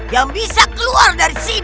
yang bisa keluar dari sini